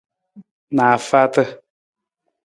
Naafaata.